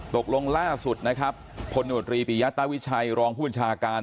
ตกลงล่าสุดผลโนโดรีปิยาตาวิชัยรองผู้บริการการ